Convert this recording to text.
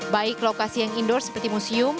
baik lokasi yang indoor seperti museum